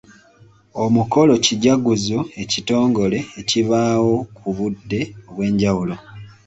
Omukolo kijaguzo ekitongole ekibaawo ku budde obw'enjawulo.